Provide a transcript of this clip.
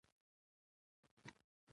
افغانستان د کلیو په اړه مشهور روایتونه لري.